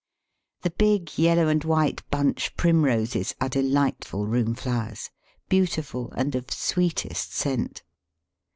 The big yellow and white bunch Primroses are delightful room flowers, beautiful, and of sweetest scent.